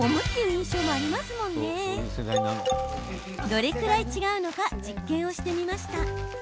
どれくらい違うのか実験をしてみました。